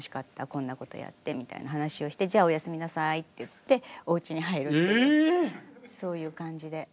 こんなことやって」みたいな話をして「じゃあおやすみなさい」って言っておうちに入るというそういう感じで。